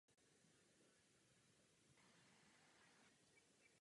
Foton v tomto případě změní svůj směr o větší úhel.